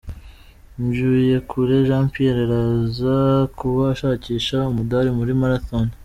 Mvuyekure Jean Pierre araza kuba ashakisha umudari muri Marathon.